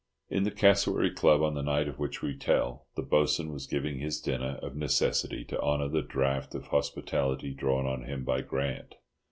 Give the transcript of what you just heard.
In the Cassowary Club, on the night of which we tell, the Bo'sun was giving his dinner of necessity to honour the draft of hospitality drawn on him by Grant.